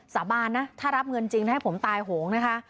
สาบานนะถ้ารับเงินจริงนะให้ผมตายโหงนะคะ